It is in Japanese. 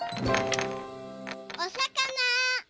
おさかな。